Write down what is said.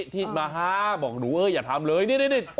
ที่มาฮาบอกหนูเอออย่าทำเลยนี่